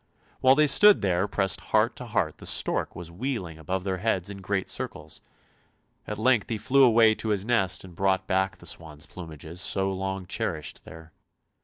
While they stood there pressed heart to heart the stork was wheeling above their heads in great circles; at length he flew away to his nest, and brought back the swan plumages so long cherished THE MARSH KING'S DAUGHTER 299 there.